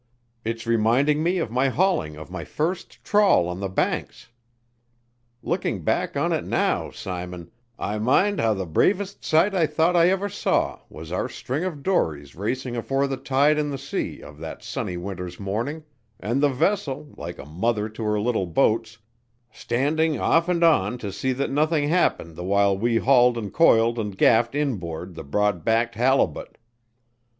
It's reminding me of my hauling of my first trawl on the Banks. Looking back on it, now, Simon, I mind how the bravest sight I thought I ever saw was our string of dories racing afore the tide in the sea of that sunny winter's morning, and the vessel, like a mother to her little boats, standing off and on to see that nothing happened the while we hauled and coiled and gaffed inboard the broad backed halibut.